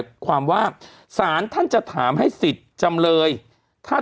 กรมป้องกันแล้วก็บรรเทาสาธารณภัยนะคะ